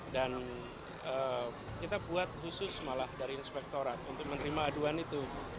dan kita buat khusus malah dari inspektorat untuk menerima aduan itu